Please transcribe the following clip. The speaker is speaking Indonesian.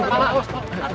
aduh berat banget